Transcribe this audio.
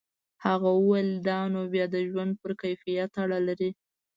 هغه وویل دا نو بیا د ژوند پر کیفیت اړه لري.